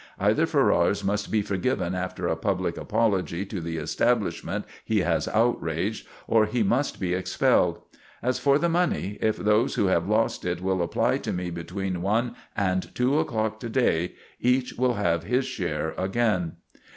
Either Ferrars must be forgiven after a public apology to the establishment he has outraged, or he must be expelled. As for the money, if those who have lost it will apply to me between one and two o'clock to day, each shall have his share again."